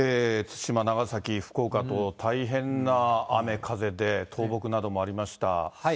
対馬、長崎、福岡と、大変な雨、風で、倒木などもありました。